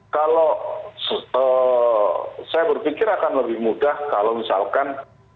kalau saya berpikir akan lebih mudah kalau misalkan